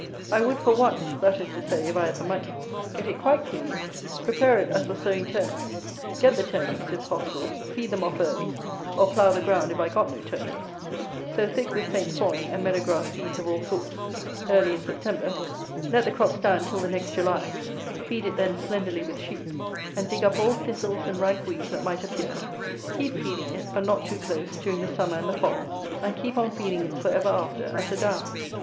I would for once (that is to say if I had the money) get it quite clean, prepare it as for sowing turnips, get the turnips if possible, feed them off early, or plough the ground if I got no turnips; sow thick with Saint foin and meadow grass seeds of all sorts, early in September; let the crop stand till the next July; feed it then slenderly with sheep, and dig up all thistles and rank weeds that might appear; keep feeding it, but not too close, during the summer and the fall; and keep on feeding it for ever after as a down.